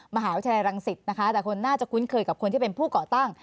มหาวิทยาลัยรังสิตนะคะแต่คนน่าจะคุ้นเคยกับคนที่เป็นผู้ก่อตั้ง